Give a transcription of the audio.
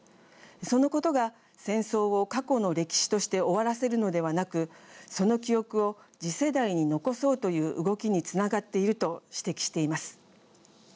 そのことが戦争を過去の歴史として終わらせるのではなくその記憶を次世代に残そうという動きにつながっている」と指摘しています。